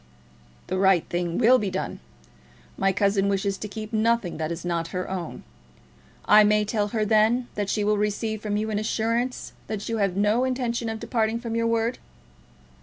"The right thing will be done. My cousin wishes to keep nothing that is not her own. I may tell her, then, that she will receive from you an assurance that you have had no intention of departing from your word?"